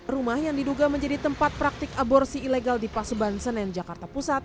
rumah yang diduga menjadi tempat praktik aborsi ilegal di pasuban senen jakarta pusat